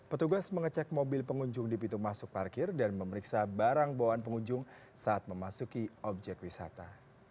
petugas mengecek mobil pengunjung di pintu masuk parkir dan memeriksa barang bawaan pengunjung saat memasuki objek wisata